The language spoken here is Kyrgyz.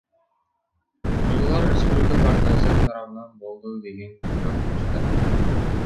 Бузуулар Республика партиясы тарабынан болду деген жокпуз да.